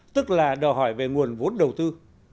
tức là đòi hỏi về nguồn vốn đầu tư